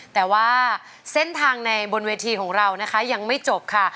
แต่ว่าเส้นทางในบนเวทีของเรานะคะยังไม่จบค่ะ